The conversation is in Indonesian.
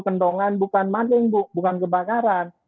kendongan bukan maling bukan kebakaran